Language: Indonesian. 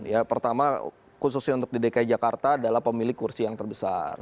ya pertama khususnya untuk di dki jakarta adalah pemilik kursi yang terbesar